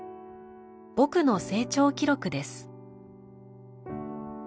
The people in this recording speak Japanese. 「僕の成長記録」です。